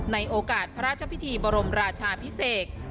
ในโอกาสพระราชพิธีบรมราชาพิเศษ